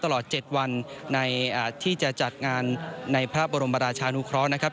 ตลอดเจ็ดวันในที่จะจัดงานในพระบรมราชานุคร้องนะครับ